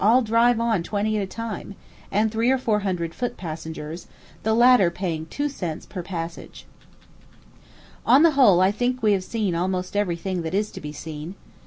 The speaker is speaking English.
all drive on twenty at a time, and three or four hundred foot passengers, the latter paying two cents per passage. On the whole I think we have seen almost everything that is to be seen.